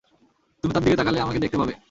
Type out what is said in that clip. তুমি তার দিকে তাকালে আমাকে দেখতে পাবে।